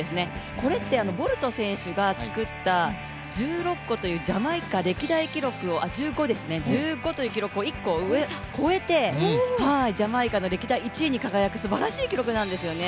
これってボルト選手がつくった１５個というジャマイカの歴代記録を１個超えて、ジャマイカの歴代１位に輝くすばらしい記録なんですよね。